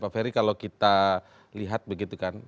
pak ferry kalau kita lihat begitu kan